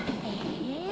え？